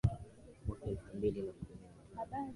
mwaka elfu mbili na kumi na tano